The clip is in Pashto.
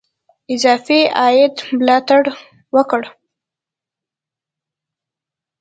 اضافي عاید ملاتړ وکړو.